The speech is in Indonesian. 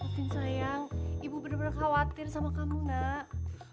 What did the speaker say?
mufin sayang ibu bener bener khawatir sama kamu nak